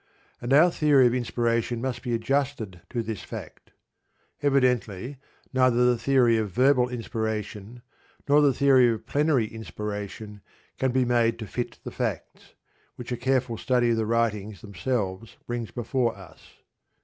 And our theory of inspiration must be adjusted to this fact. Evidently neither the theory of verbal inspiration, nor the theory of plenary inspiration, can be made to fit the facts, which a careful study of the writings themselves brings before us.